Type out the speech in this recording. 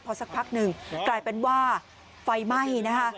พอสักพักหนึ่งกลายเป็นว่าไฟไหม้นะคะ